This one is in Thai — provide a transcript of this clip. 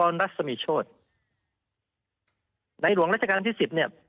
ในหลวงราชการที่๑๐